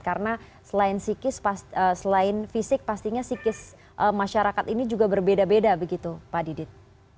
karena selain psikis selain fisik pastinya psikis masyarakat ini juga berbeda beda begitu pak didit